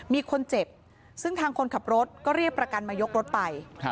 มีคนเจ็บซึ่งทางคนขับรถก็เรียกประกันมายกรถไป